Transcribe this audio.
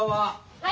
はい。